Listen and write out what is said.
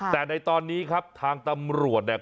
แต่ในตอนนี้ครับทางตำรวจเนี่ย